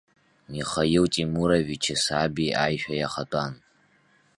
Михаил Темуровичи саби аишәа иахатәан.